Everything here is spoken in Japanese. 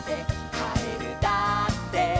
「かえるだって」